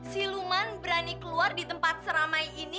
siluman berani keluar di tempat seramai ini